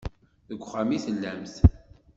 Deg uxxam i tellamt.